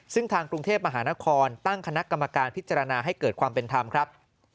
ซึ่งทางกรุงเทพมหานครตั้งคณะกรรมการพิจารณาให้เกิดความเป็นธรรมครับ